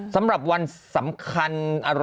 สำหรับวันสำคัญ